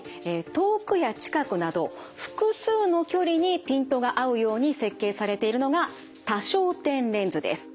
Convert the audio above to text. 遠くや近くなど複数の距離にピントが合うように設計されているのが多焦点レンズです。